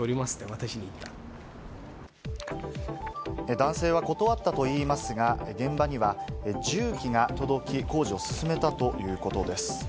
男性は断ったといいますが、現場には重機が届き、工事を進めたということです。